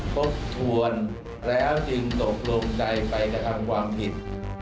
ทบทวนแล้วจึงตกลงใจไปกระทำความผิด